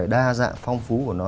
đa dạng phong phú của nó